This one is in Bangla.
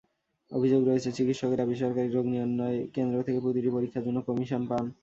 অভিযোগ রয়েছে, চিকিৎসকেরা বেসরকারি রোগনির্ণয় কেন্দ্র থেকে প্রতিটি পরীক্ষার জন্য কমিশন পান।